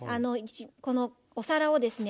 このお皿をですね